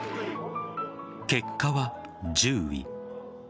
結果は１０位。